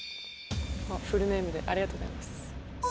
あっフルネームでありがとうございます。